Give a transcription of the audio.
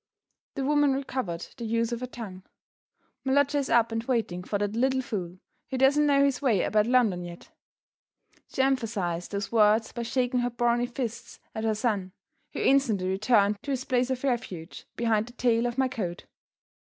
The woman recovered the use of her tongue. "My lodger is up and waiting for that little fool, who doesn't know his way about London yet!" She emphasized those words by shaking her brawny fist at her son who instantly returned to his place of refuge behind the tail of my coat.